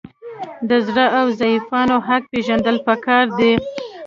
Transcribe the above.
د زړو او ضعیفانو حق پیژندل پکار دي.